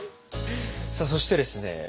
さあそしてですね